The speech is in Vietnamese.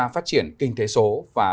phát triển kinh tế số và